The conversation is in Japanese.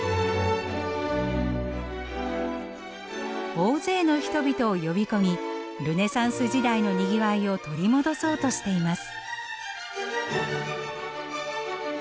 大勢の人々を呼び込みルネサンス時代のにぎわいを取り戻そうとしています。